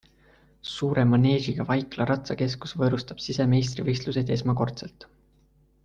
Suure maneežiga Vaikla ratsakeskus võõrustab sisemeistrivõistluseid esmakordselt.